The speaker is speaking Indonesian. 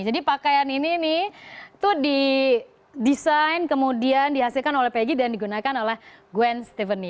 jadi pakaian ini tuh didesain kemudian dihasilkan oleh peggy dan digunakan oleh gwen stefani